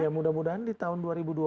ya mudah mudahan di tahun dua ribu dua puluh